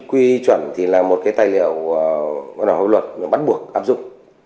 quy chuẩn thì là một cái tài liệu hoạt động hội luật bắt buộc áp dụng